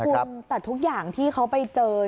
คุณแต่ทุกอย่างที่เขาไปเจอ